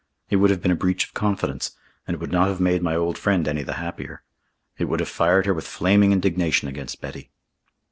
It would have been a breach of confidence, and it would not have made my old friend any the happier. It would have fired her with flaming indignation against Betty.